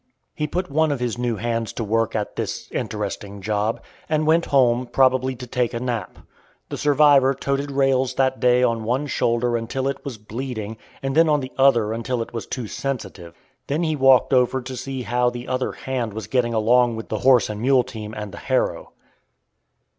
He put one of his new hands to work at this interesting job, and went home, probably to take a nap. The survivor toted rails that day on one shoulder until it was bleeding, and then on the other until that was too sensitive. Then he walked over to see how the other "hand" was getting along with the horse and mule team and the harrow.